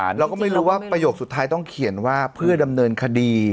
เราก็ไม่รู้ว่าประโยคสุดท้ายต้องเขียนว่าเพื่อดำเนินคดี